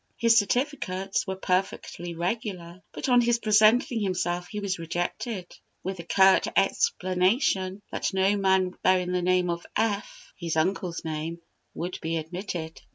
His certificates were perfectly regular; but on his presenting himself he was rejected, with the curt explanation that no man bearing the name of F (his uncle's name) would be admitted.